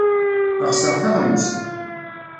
Ɣseɣ taɣlust.